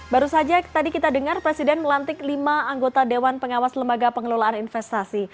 baru saja tadi kita dengar presiden melantik lima anggota dewan pengawas lembaga pengelolaan investasi